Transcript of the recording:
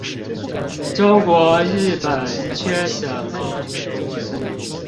中國日本缺什麼